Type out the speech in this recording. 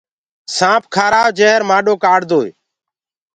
سآنٚپ کآرآئو جهر مآڏو ڪآڙدوئي